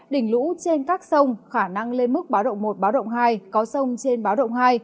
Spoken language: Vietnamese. đỉnh lũ trên các sông khả năng lên mức báo động một hai có sông trên báo động hai